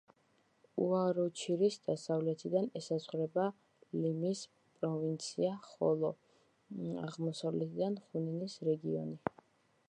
უაროჩირის დასავლეთიდან ესაზღვრება ლიმის პროვინცია, ხოლო აღმოსავლეთიდან ხუნინის რეგიონი.